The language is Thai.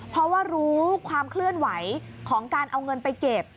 เพราะว่ารู้ความเคลื่อนไหวของการเอาเงินไปเก็บ